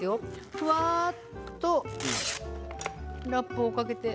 ふわっとラップをかけて。